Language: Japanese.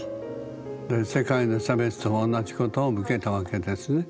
世界の差別と同じことを受けたわけですね。